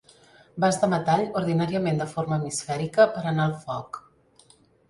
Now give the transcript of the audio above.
Vas de metall, ordinàriament de forma hemisfèrica, per a anar al foc.